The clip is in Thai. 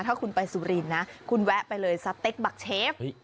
ถ้าคุณไปสุรินทร์นะคุณแวะไปเลยสเต็กบักเชฟ